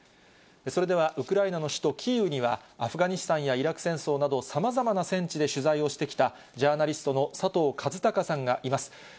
それでは、ウクライナの首都キーウには、アフガニスタンやイラク戦争など、さまざまな戦地で取材をしてきた、ジャーナリストの佐藤和孝さんがいます。